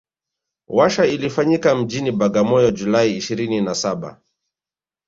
Warsha ilifanyikia mjini Bagamoyo July ishirini na Saba